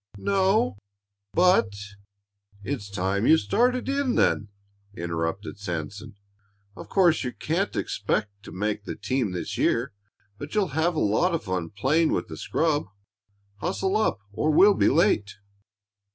"N o, but " "It's time you started in, then," interrupted Sanson. "Of course you can't expect to make the team this year, but you'll have a lot of fun playing with the scrub. Hustle up or we'll be late."